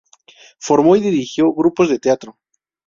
Formó y dirigió grupos de teatro.